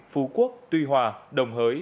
phú quốc tuy hòa đồng hới